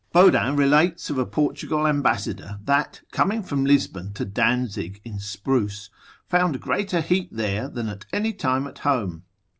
Bodin relates of a Portugal ambassador, that coming from Lisbon to Danzig in Spruce, found greater heat there than at any time at home.